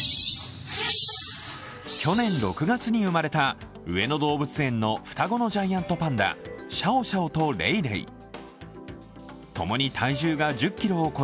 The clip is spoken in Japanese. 去年６月に生まれた上野動物園の双子のジャイアントパンダシャオシャオとレイレイ。